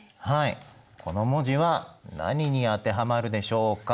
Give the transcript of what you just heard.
この文字は何に当てはまるでしょうか？